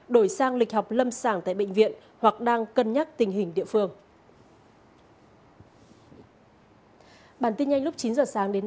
đổi sang lịch học lâm sàng tại bệnh viện hoặc đang cân nhắc tình hình địa phương